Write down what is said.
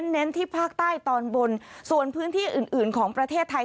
เน้นที่ภาคใต้ตอนบนส่วนพื้นที่อื่นอื่นของประเทศไทย